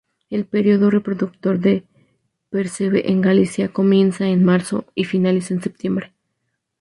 El período reproductor del percebe en Galicia comienza en marzo y finaliza en septiembre.